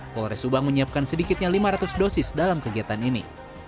polres subang menyiapkan sedikitnya lima ratus dosis dalam kegiatan ini